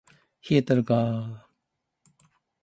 冷えてるか～